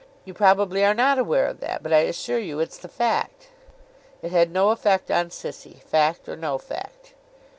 You probably are not aware of that, but I assure you it's the fact.' It had no effect on Sissy, fact or no fact.